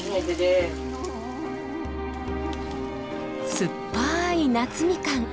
酸っぱい夏みかん。